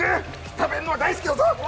食べるのは大好きだぞよいしょ。